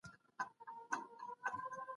په کڅوڼي کي مي د خپل موټر جواز ایښی و.